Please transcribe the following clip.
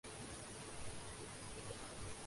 اکشے کھنہ کی چھوٹے کردار کے ساتھ واپسی